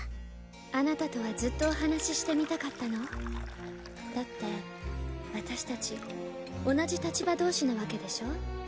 あなたとはずっとお話してみたかったのだって私達同じ立場同士なわけでしょ？